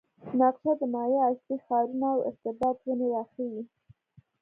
نقشه د مایا اصلي ښارونه او ارتباط ونې راښيي